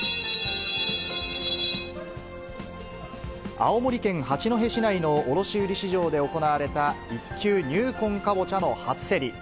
青森県八戸市内の卸売り市場で行われた一球入魂かぼちゃの初競り。